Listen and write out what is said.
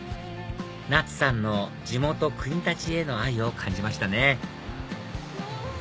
Ｎａｔｓｕさんの地元国立への愛を感じましたね